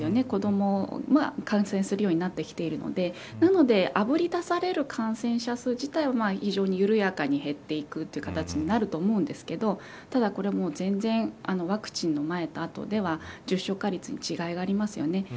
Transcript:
子どもが感染するようになってきているのでなので、あぶり出される感染者数自体は非常に緩やかに減っていく形になると思うんですけどただ、これも全然ワクチンの前と後では重症化率に違いがありますよね。